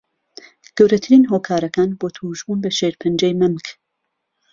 گهورهترین هۆکارەکان بۆ تووشبون به شیرپهنجهی مهمک